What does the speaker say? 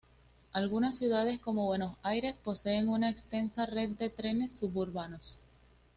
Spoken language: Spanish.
Algunas ciudades, como Buenos Aires, poseen una extensa red de trenes suburbanos.